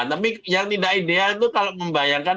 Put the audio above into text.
tapi yang tidak ideal itu kalau membayangkan